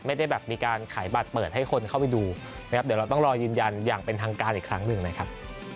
ไม่ได้แบบมีการขายบัตรเปิดให้คนเข้าไปดูนะครับเดี๋ยวเราต้องรอยืนยันอย่างเป็นทางการอีกครั้งหนึ่งนะครับ